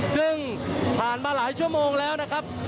ซึ่งผ่านมาหลายชั่วโมงแล้วนะครับ